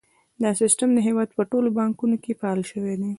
دا سیستم د هیواد په ټولو بانکونو کې فعال شوی دی۔